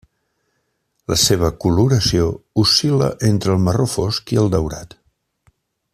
La seva coloració oscil·la entre el marró fosc i el daurat.